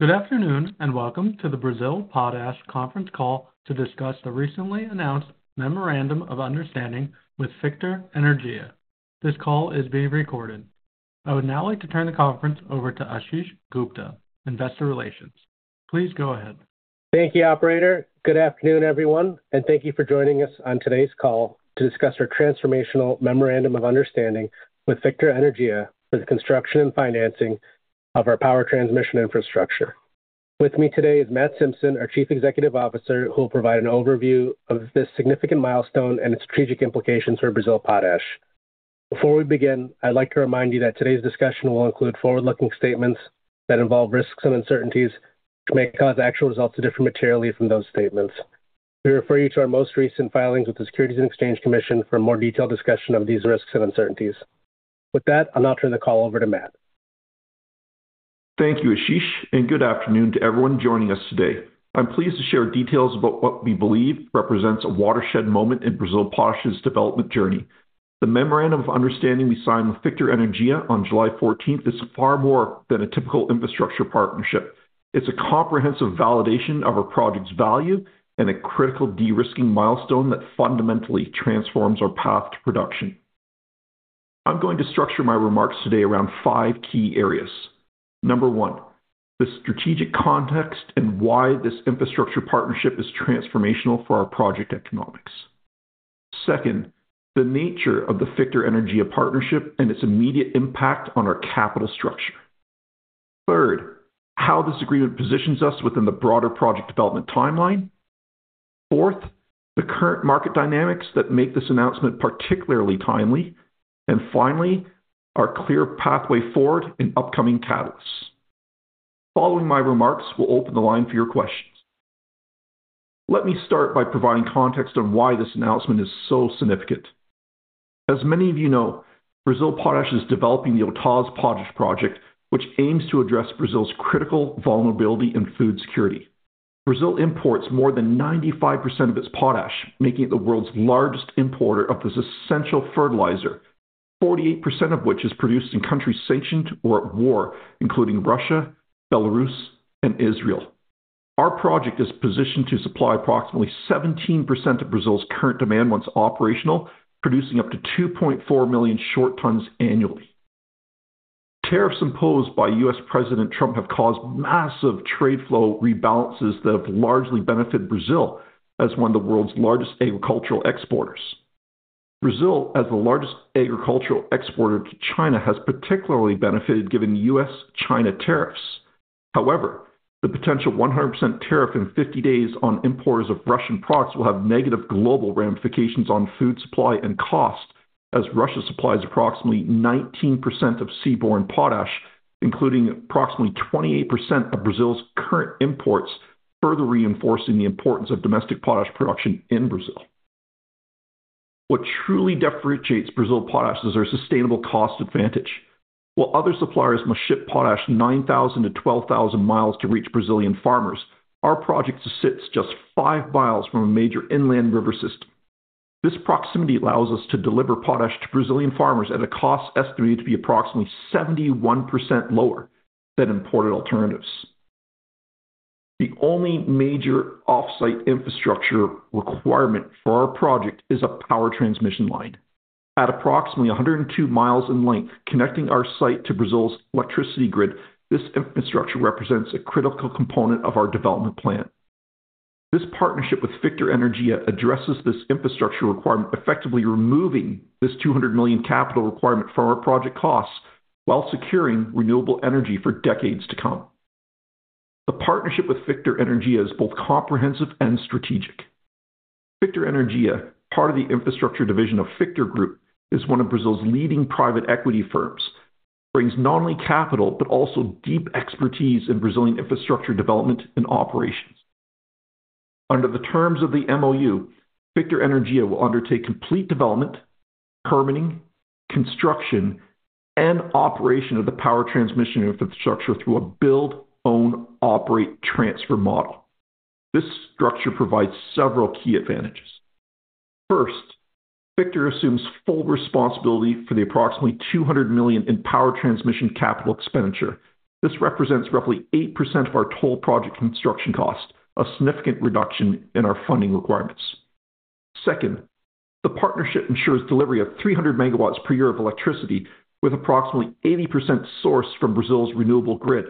Good afternoon and welcome to the Brazil Potash conference call to discuss the recently announced Memorandum of Understanding with Fictor Energia. This call is being recorded. I would now like to turn the conference over to Ashish Gupta, Investor Relations. Please go ahead. Thank you, Operator. Good afternoon, everyone, and thank you for joining us on today's call to discuss our transformational Memorandum of Understanding with Fictor Energia for the construction and financing of our power transmission infrastructure. With me today is Matt Simpson, our Chief Executive Officer, who will provide an overview of this significant milestone and its strategic implications for Brazil Potash. Before we begin, I'd like to remind you that today's discussion will include forward-looking statements that involve risks and uncertainties that may cause actual results to differ materially from those statements. We refer you to our most recent filings with the Securities and Exchange Commission for a more detailed discussion of these risks and uncertainties. With that, I'll now turn the call over to Matt. Thank you, Ashish, and good afternoon to everyone joining us today. I'm pleased to share details about what we believe represents a watershed moment in Brazil Potash's development journey. The Memorandum of Understanding we signed with Fictor Energia on July 14th is far more than a typical infrastructure partnership. It's a comprehensive validation of our project's value and a critical de-risking milestone that fundamentally transforms our path to production. I'm going to structure my remarks today around five key areas. Number one, the strategic context and why this infrastructure partnership is transformational for our project economics. Second, the nature of the Fictor Energia partnership and its immediate impact on our capital structure. Third, how this agreement positions us within the broader project development timeline. Fourth, the current market dynamics that make this announcement particularly timely. Finally, our clear pathway forward in upcoming catalysts. Following my remarks, we'll open the line for your questions. Let me start by providing context on why this announcement is so significant. As many of you know, Brazil Potash is developing the Autazes Potash Project, which aims to address Brazil's critical vulnerability in food security. Brazil imports more than 95% of its potash, making it the world's largest importer of this essential fertilizer, 48% of which is produced in countries sanctioned or at war, including Russia, Belarus, and Israel. Our project is positioned to supply approximately 17% of Brazil's current demand once operational, producing up to 2.4 million short tons annually. Tariffs imposed by U.S. President Trump have caused massive trade flow rebalances that have largely benefited Brazil as one of the world's largest agricultural exporters. Brazil, as the largest agricultural exporter to China, has particularly benefited given U.S.-China tariffs. However, the potential 100% tariff in 50 days on importers of Russian products will have negative global ramifications on food supply and cost, as Russia supplies approximately 19% of seaborne potash, including approximately 28% of Brazil's current imports, further reinforcing the importance of domestic potash production in Brazil. What truly differentiates Brazil Potash is our sustainable cost advantage. While other suppliers must ship potash 9,000 mi-12,000 mi to reach Brazilian farmers, our project sits just 5 mi from a major inland river system. This proximity allows us to deliver potash to Brazilian farmers at a cost estimated to be approximately 71% lower than imported alternatives. The only major offsite infrastructure requirement for our project is a power transmission line. At approximately 102 mi in length, connecting our site to Brazil's electricity grid, this infrastructure represents a critical component of our development plan. This partnership with Fictor Energia addresses this infrastructure requirement, effectively removing this $200 million capital requirement from our project costs while securing renewable energy for decades to come. The partnership with Fictor Energia is both comprehensive and strategic. Fictor Energia, part of the infrastructure division of Fictor Group, is one of Brazil's leading private equity firms. It brings not only capital but also deep expertise in Brazilian infrastructure development and operations. Under the terms of the MOU, Fictor Energia will undertake complete development, permitting, construction, and operation of the power transmission infrastructure through a build-own-operate-transfer model. This structure provides several key advantages. First, Fictor assumes full responsibility for the approximately $200 million in power transmission capital expenditure. This represents roughly 8% of our total project construction cost, a significant reduction in our funding requirements. Second, the partnership ensures delivery of 300 MW per year of electricity, with approximately 80% sourced from Brazil's renewable grid.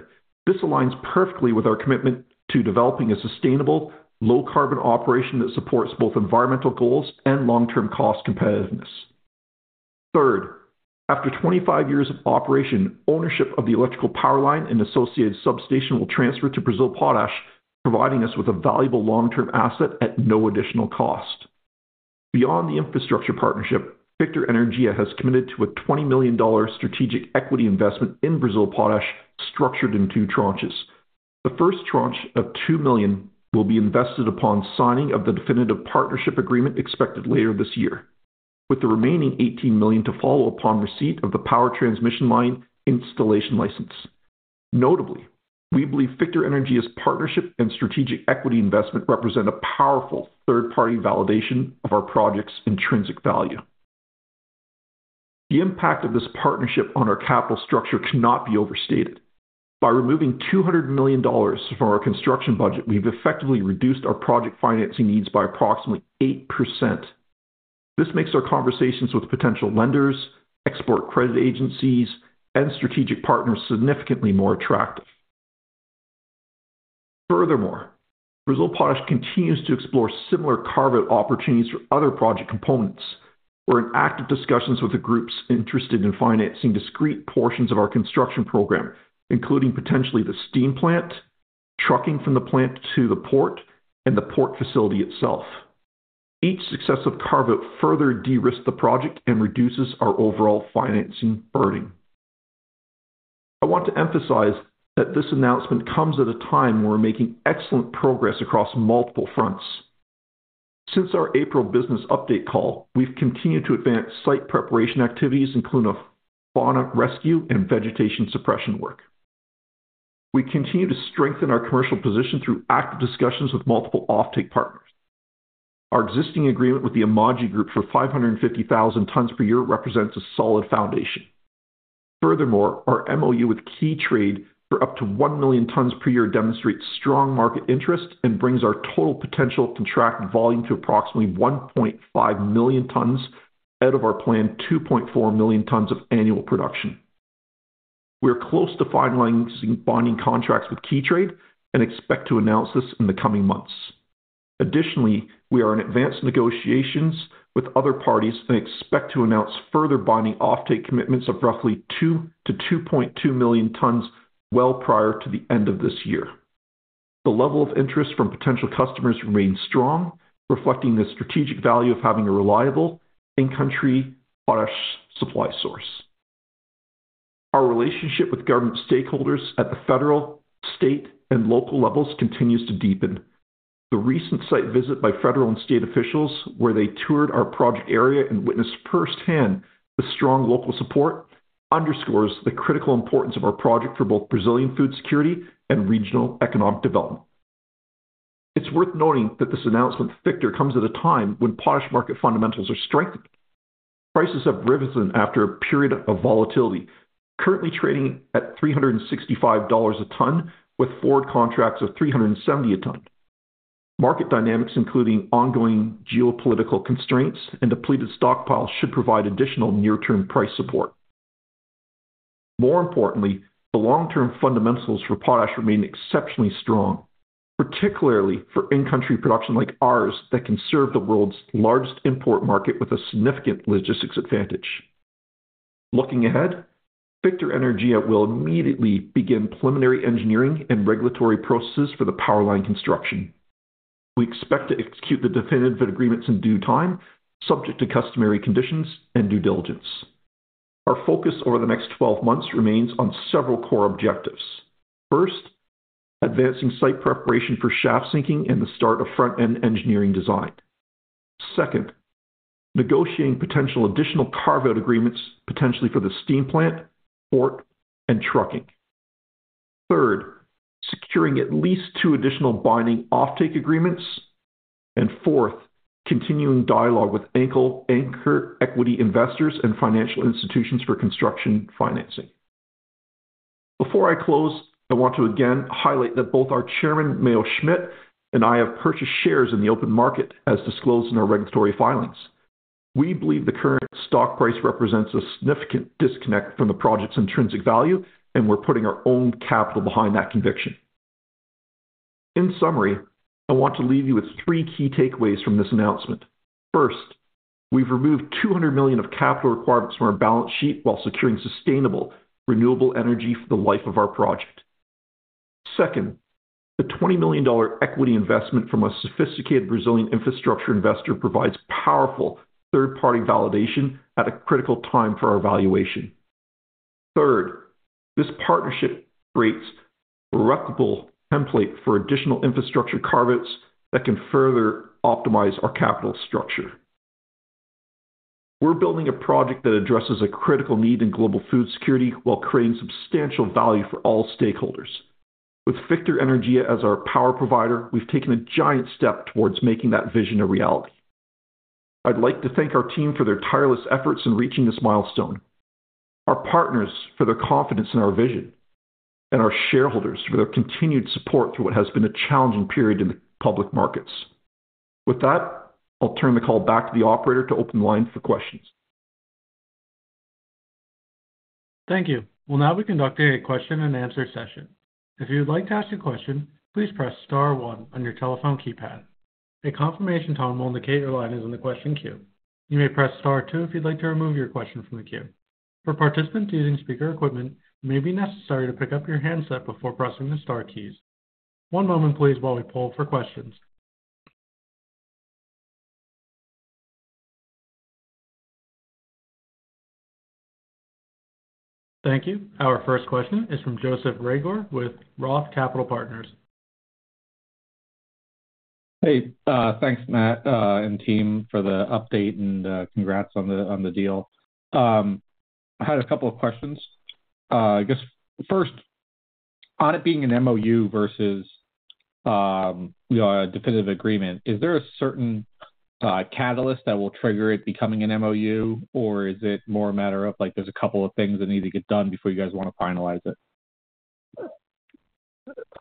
This aligns perfectly with our commitment to developing a sustainable, low-carbon operation that supports both environmental goals and long-term cost competitiveness. Third, after 25 years of operation, ownership of the electrical power line and associated substation will transfer to Brazil Potash, providing us with a valuable long-term asset at no additional cost. Beyond the infrastructure partnership, Fictor Energia has committed to a $20 million strategic equity investment in Brazil Potash, structured in two tranches. The first tranche of $2 million will be invested upon signing of the definitive partnership agreement expected later this year, with the remaining $18 million to follow upon receipt of the power transmission line installation license. Notably, we believe Fictor Energia's partnership and strategic equity investment represent a powerful third-party validation of our project's intrinsic value. The impact of this partnership on our capital structure cannot be overstated. By removing $200 million from our construction budget, we've effectively reduced our project financing needs by approximately 8%. This makes our conversations with potential lenders, export credit agencies, and strategic partners significantly more attractive. Furthermore, Brazil Potash continues to explore similar carve-out opportunities for other project components. We're in active discussions with the groups interested in financing discrete portions of our construction program, including potentially the steam plant, trucking from the plant to the port, and the port facility itself. Each successive carve-out further de-risked the project and reduces our overall financing burden. I want to emphasize that this announcement comes at a time when we're making excellent progress across multiple fronts. Since our April business update call, we've continued to advance site preparation activities, including fauna rescue and vegetation suppression work. We continue to strengthen our commercial position through active discussions with multiple offtake partners. Our existing agreement with the Amaggi Group for 550,000 tons per year represents a solid foundation. Furthermore, our MOU with Keytrade for up to 1 million tons per year demonstrates strong market interest and brings our total potential contract volume to approximately 1.5 million tons out of our planned 2.4 million tons of annual production. We are close to finalizing bonding contracts with Keytrade and expect to announce this in the coming months. Additionally, we are in advanced negotiations with other parties and expect to announce further bonding offtake commitments of roughly 2 million-2.2 million tons well prior to the end of this year. The level of interest from potential customers remains strong, reflecting the strategic value of having a reliable in-country potash supply source. Our relationship with government stakeholders at the federal, state, and local levels continues to deepen. The recent site visit by federal and state officials where they toured our project area and witnessed firsthand the strong local support underscores the critical importance of our project for both Brazilian food security and regional economic development. It's worth noting that this announcement from Fictor comes at a time when potash market fundamentals are strengthening. Prices have revisited after a period of volatility, currently trading at $365 a ton, with forward contracts of $370 a ton. Market dynamics, including ongoing geopolitical constraints and depleted stockpiles, should provide additional near-term price support. More importantly, the long-term fundamentals for potash remain exceptionally strong, particularly for in-country production like ours that can serve the world's largest import market with a significant logistics advantage. Looking ahead, Fictor Energia will immediately begin preliminary engineering and regulatory processes for the power line construction. We expect to execute the definitive agreements in due time, subject to customary conditions and due diligence. Our focus over the next 12 months remains on several core objectives. First, advancing site preparation for shaft sinking and the start of front-end engineering design. Second, negotiating potential additional carve-out agreements potentially for the steam plant, port, and trucking. Third, securing at least two additional binding offtake agreements. Fourth, continuing dialogue with anchor equity investors and financial institutions for construction financing. Before I close, I want to again highlight that both our Chairman, Mayo Schmidt, and I have purchased shares in the open market, as disclosed in our regulatory filings. We believe the current stock price represents a significant disconnect from the project's intrinsic value, and we're putting our own capital behind that conviction. In summary, I want to leave you with three key takeaways from this announcement. First, we've removed $200 million of capital requirements from our balance sheet while securing sustainable renewable energy for the life of our project. Second, the $20 million equity investment from a sophisticated Brazilian infrastructure investor provides powerful third-party validation at a critical time for our valuation. Third, this partnership creates a reputable template for additional infrastructure carve-outs that can further optimize our capital structure. We're building a project that addresses a critical need in global food security while creating substantial value for all stakeholders. With Fictor Energia as our power provider, we've taken a giant step towards making that vision a reality. I'd like to thank our team for their tireless efforts in reaching this milestone, our partners for their confidence in our vision, and our shareholders for their continued support through what has been a challenging period in the public markets. With that, I'll turn the call back to the Operator to open the line for questions. Thank you. We'll now be conducting a question-and-answer session. If you would like to ask a question, please press *1 on your telephone keypad. A confirmation tone will indicate your line is in the question queue. You may press *2 if you'd like to remove your question from the queue. For participants using speaker equipment, it may be necessary to pick up your handset before pressing the * keys. One moment, please, while we poll for questions. Thank you. Our first question is from Joseph Reagor with Roth Capital Partners. Hey, thanks, Matt and team, for the update and congrats on the deal. I had a couple of questions. I guess first, on it being an MOU versus a definitive agreement, is there a certain catalyst that will trigger it becoming an MOU, or is it more a matter of like there's a couple of things that need to get done before you guys want to finalize it?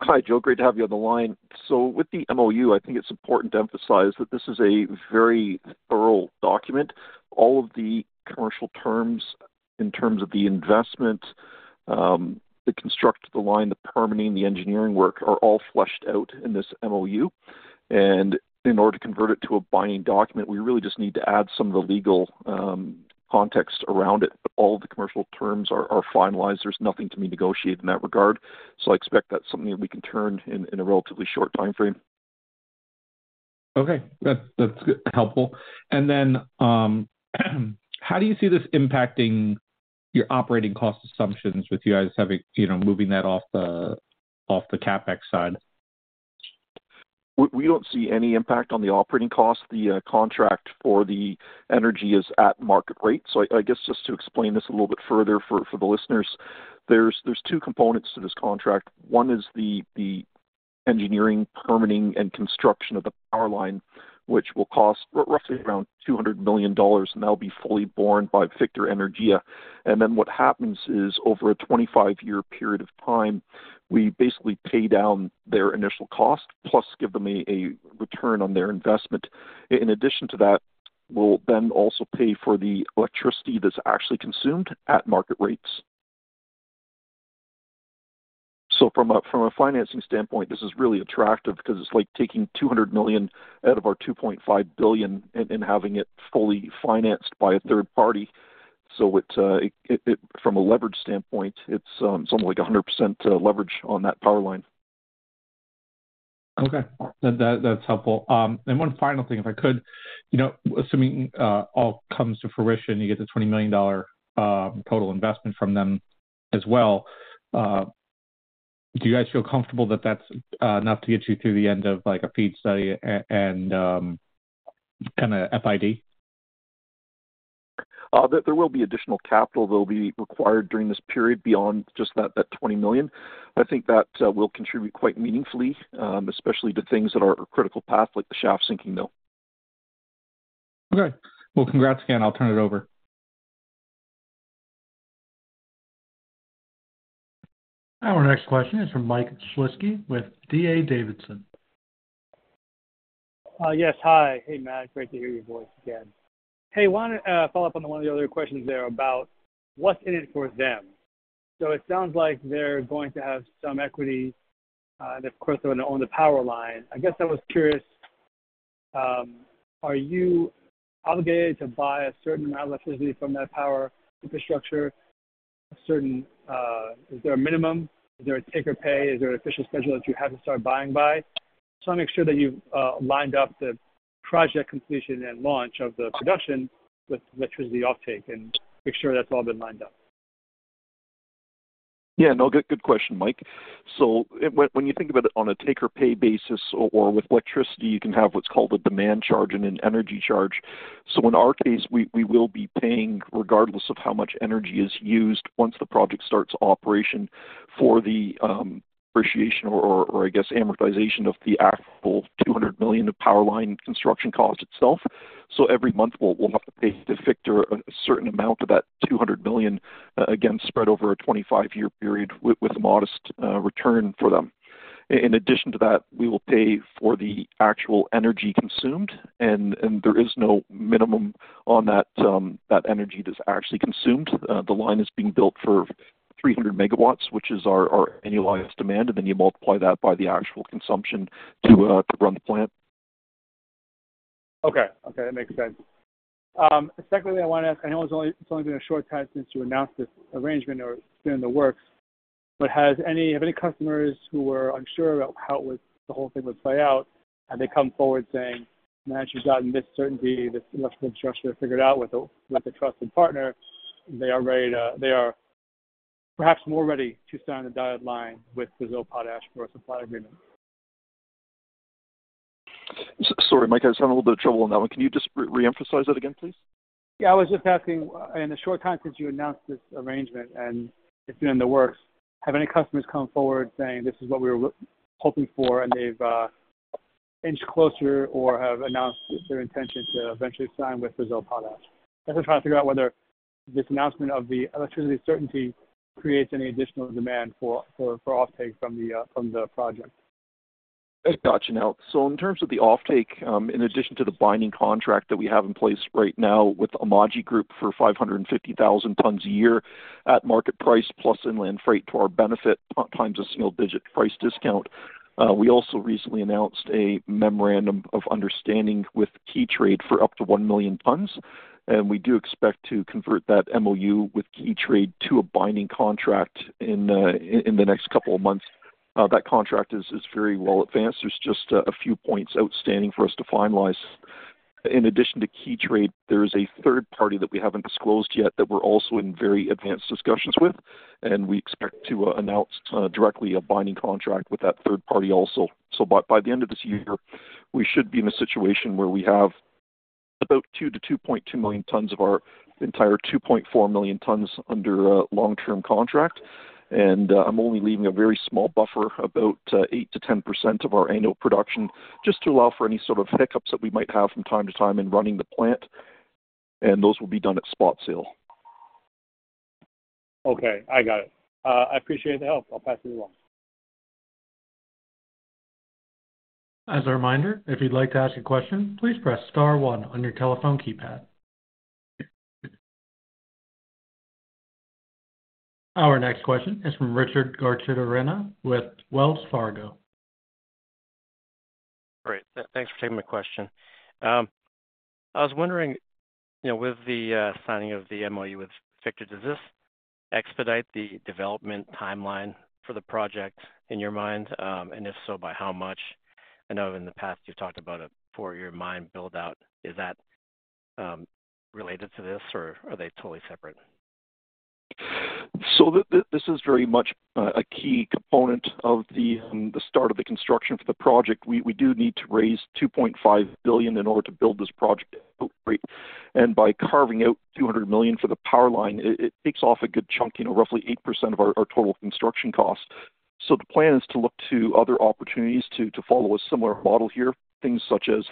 Hi, Joe. Great to have you on the line. With the MOU, I think it's important to emphasize that this is a very thorough document. All of the commercial terms, in terms of the investment, the construct of the line, the permitting, the engineering work, are all fleshed out in this MOU. In order to convert it to a binding document, we really just need to add some of the legal context around it. All of the commercial terms are finalized. There's nothing to be negotiated in that regard. I expect that's something that we can turn in a relatively short timeframe. Okay. That's helpful. How do you see this impacting your operating cost assumptions with you guys having, you know, moving that off the CapEx side? We don't see any impact on the operating costs. The contract for the energy is at market rate. Just to explain this a little bit further for the listeners, there's two components to this contract. One is the engineering, permitting, and construction of the power line, which will cost roughly around $200 million, and that'll be fully borne by Fictor Energia. What happens is over a 25-year period of time, we basically pay down their initial cost, plus give them a return on their investment. In addition to that, we'll then also pay for the electricity that's actually consumed at market rates. From a financing standpoint, this is really attractive because it's like taking $200 million out of our $2.5 billion and having it fully financed by a third party. From a leverage standpoint, it's something like 100% leverage on that power line. Okay. That's helpful. One final thing, if I could, you know, assuming all comes to fruition, you get the $20 million total investment from them as well, do you guys feel comfortable that that's enough to get you through the end of like a FEED study and an FID? There will be additional capital that will be required during this period beyond just that $20 million. I think that will contribute quite meaningfully, especially to things that are a critical path, like the shaft sinking mill. Okay. Congrats again. I'll turn it over. Our next question is from Mike Shlisky with D.A. Davidson. Yes. Hi. Hey, Matt. Great to hear your voice again. I want to follow up on one of the other questions there about what's in it for them. It sounds like they're going to have some equity, and of course, they're going to own the power line. I guess I was curious, are you obligated to buy a certain amount of electricity from that power infrastructure? Is there a minimum? Is there a take or pay? Is there an official schedule that you have to start buying by? I just want to make sure that you've lined up the project completion and launch of the production with electricity offtake and make sure that's all been lined up. Yeah. No, good question, Mike. When you think about it on a take or pay basis or with electricity, you can have what's called a demand charge and an energy charge. In our case, we will be paying regardless of how much energy is used once the project starts operation for the depreciation or, I guess, amortization of the actual $200 million of power line construction cost itself. Every month, we'll have to pay to Fictor a certain amount for that $200 million, again, spread over a 25-year period with a modest return for them. In addition to that, we will pay for the actual energy consumed, and there is no minimum on that energy that's actually consumed. The line is being built for 300 megawatts, which is our annualized demand, and you multiply that by the actual consumption to run the plant. Okay. That makes sense. Secondly, I want to ask, I know it's only been a short time since you announced this arrangement or it's been in the works, but have any customers who were unsure about how the whole thing would play out, have they come forward saying, "Matt, you've gotten this certainty, this electrical structure figured out with a trusted partner"? They are ready. They are perhaps more ready to stand on the dotted line with Brazil Potash for a supply agreement. Sorry, Mike, I just had a little bit of trouble on that one. Can you just re-emphasize that again, please? Yeah. I was just asking, in the short time since you announced this arrangement and it's been in the works, have any customers come forward saying, "This is what we were hoping for," and they've inched closer or have announced their intention to eventually sign with Brazil Potash? I'm just trying to figure out whether this announcement of the electricity certainty creates any additional demand for offtake from the project. I got you now. In terms of the offtake, in addition to the binding contract that we have in place right now with the Amaggi Group for 550,000 tons a year at market price, plus inland freight to our benefit, times a single-digit price discount, we also recently announced a Memorandum of Understanding with Keytrade for up to 1 million tons. We do expect to convert that MOU with Keytrade to a binding contract in the next couple of months. That contract is very well advanced. There are just a few points outstanding for us to finalize. In addition to Keytrade, there is a third party that we haven't disclosed yet that we're also in very advanced discussions with, and we expect to announce directly a binding contract with that third party also. By the end of this year, we should be in a situation where we have about 2 million-2.2 million tons of our entire 2.4 million tons under a long-term contract. I'm only leaving a very small buffer, about 8%-10% of our annual production, just to allow for any sort of hiccups that we might have from time to time in running the plant. Those will be done at spot sale. Okay, I got it. I appreciate the help. I'll pass it along. As a reminder, if you'd like to ask a question, please press *1 on your telephone keypad. Our next question is from Richard Garchitorena with Wells Fargo. All right. Thanks for taking my question. I was wondering, you know, with the signing of the MOU with Fictor, does this expedite the development timeline for the project in your mind? If so, by how much? I know in the past you've talked about a four-year mine build-out. Is that related to this, or are they totally separate? This is very much a key component of the start of the construction for the project. We do need to raise $2.5 billion in order to build this project out. By carving out $200 million for the power line, it takes off a good chunk, roughly 8% of our total construction costs. The plan is to look to other opportunities to follow a similar model here, things such as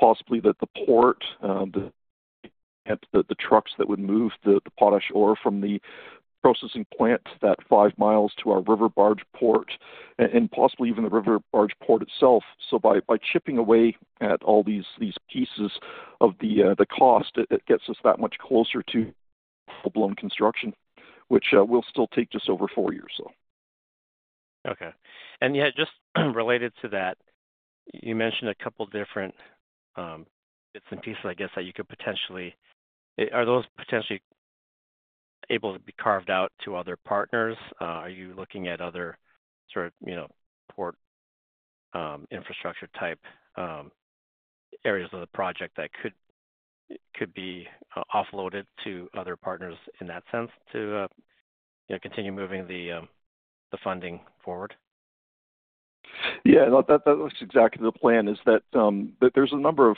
possibly the port, the trucks that would move the potash ore from the processing plant that 5 mi to our river barge port, and possibly even the river barge port itself. By chipping away at all these pieces of the cost, it gets us that much closer to full-blown construction, which will still take just over four years, though. Okay. Just related to that, you mentioned a couple of different bits and pieces that you could potentially, are those potentially able to be carved out to other partners? Are you looking at other sort of port infrastructure type areas of the project that could be offloaded to other partners in that sense to continue moving the funding forward? Yeah. No, that's exactly the plan is that there's a number of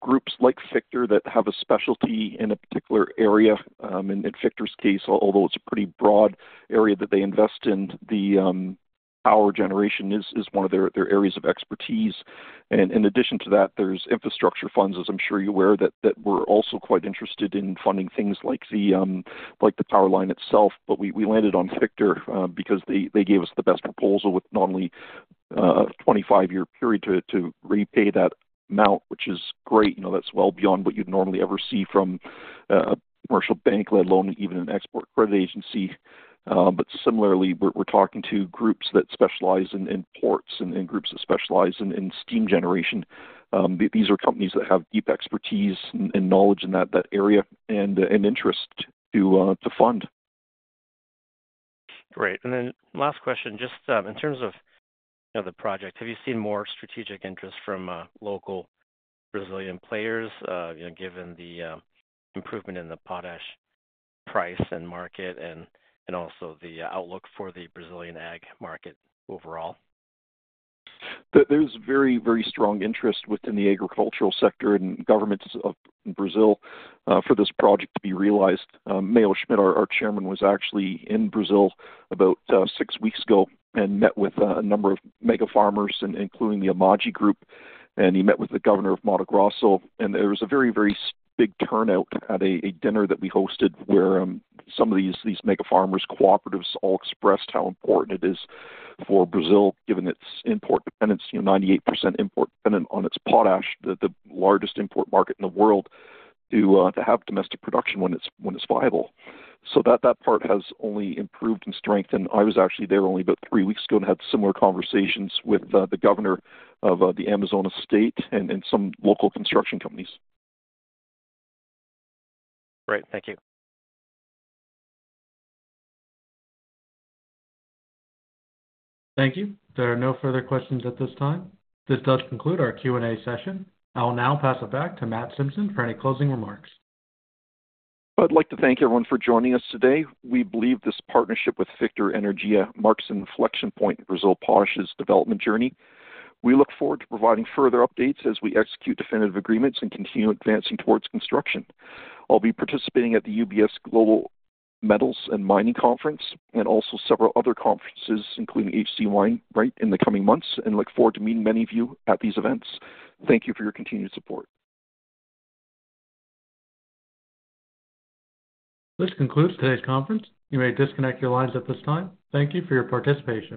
groups like Fictor that have a specialty in a particular area. In Fictor's case, although it's a pretty broad area that they invest in, the power generation is one of their areas of expertise. In addition to that, there's infrastructure funds, as I'm sure you're aware, that are also quite interested in funding things like the power line itself. We landed on Fictor because they gave us the best proposal with not only a 25-year period to repay that amount, which is great. You know, that's well beyond what you'd normally ever see from a commercial bank, let alone even an export credit agency. Similarly, we're talking to groups that specialize in ports and groups that specialize in steam generation. These are companies that have deep expertise and knowledge in that area and interest to fund. Great. Last question, just in terms of the project, have you seen more strategic interest from local Brazilian players, given the improvement in the potash price and market and also the outlook for the Brazilian ag market overall? There's very, very strong interest within the agricultural sector and governments of Brazil for this project to be realized. Mayo Schmidt, our Chairman, was actually in Brazil about six weeks ago and met with a number of mega farmers, including the Amaggi Group. He met with the governor of Mato Grosso. There was a very, very big turnout at a dinner that we hosted where some of these mega farmers' cooperatives all expressed how important it is for Brazil, given its import dependence, you know, 98% import dependent on its potash, the largest import market in the world, to have domestic production when it's viable. That part has only improved in strength. I was actually there only about three weeks ago and had similar conversations with the governor of the Amazonas state and some local construction companies. Great. Thank you. Thank you. There are no further questions at this time. This does conclude our Q&A session. I will now pass it back to Matt Simpson for any closing remarks. I'd like to thank everyone for joining us today. We believe this partnership with Fictor Energia marks an inflection point in Brazil Potash's development journey. We look forward to providing further updates as we execute definitive agreements and continue advancing towards construction. I'll be participating at the UBS Global Metals and Mining Conference and also several other conferences, including [H.C. Wainwright], in the coming months and look forward to meeting many of you at these events. Thank you for your continued support. This concludes today's conference. You may disconnect your lines at this time. Thank you for your participation.